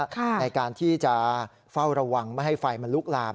ในการที่จะเฝ้าระวังไม่ให้ไฟมันลุกลาม